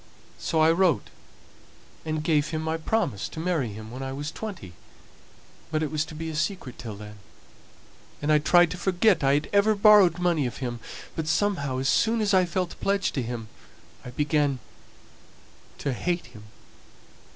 So I wrote and gave him my promise to marry him when I was twenty, but it was to be a secret till then. And I tried to forget I had ever borrowed money of him, but somehow as soon as I felt pledged to him I began to hate him.